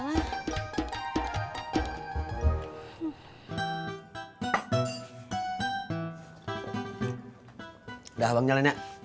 udah bang nyalainnya